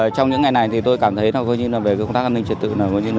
trong những ngày này tôi cảm thấy công tác an ninh truyền tự